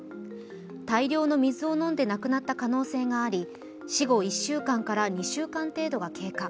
大量の水を飲んで亡くなった可能性があり、死後１週間から２週間程度が経過。